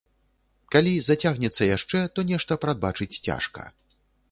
Калі зацягнецца яшчэ, то нешта прадбачыць цяжка.